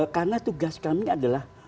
karena tugas kami adalah